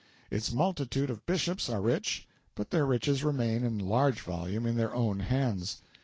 Its multitude of Bishops are rich, but their riches remain in large measure in their own hands.